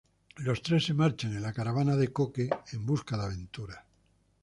Los tres se marchan en la caravana de Coque en busca de aventuras.